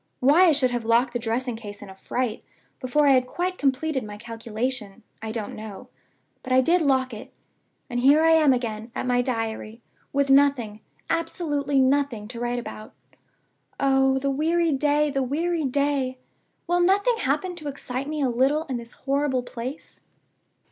Why I should have locked the dressing case in a fright, before I had quite completed my calculation, I don't know; but I did lock it. And here I am back again at my Diary, with nothing, absolutely nothing, to write about. Oh, the weary day! the weary day! Will nothing happen to excite me a little in this horrible place?"